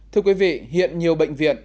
thưa quý vị hiện nhiều bệnh viện